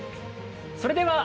それでは。